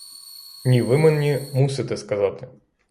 Ні, ви мені мусите сказати.